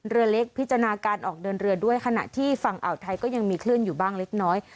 เรือเล็กพิจารณาการออกเดินเรือด้วยขณะที่ฝั่งอ่าวไทยก็ยังมีคลื่นอยู่บ้างเล็กน้อย